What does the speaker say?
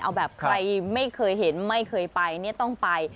เอาแบบใครไม่เคยเห็นไม่เคยไปเนี่ยต้องไป